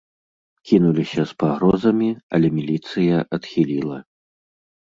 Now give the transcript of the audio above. Кінуліся з пагрозамі, але міліцыя адхіліла.